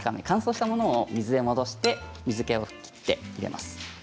乾燥したものを水で戻して水けを切って入れます。